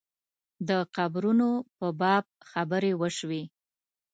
د قبرونو په باب خبرې وشوې.